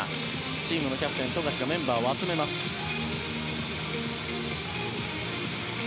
チームのキャプテン富樫がメンバーを集めました。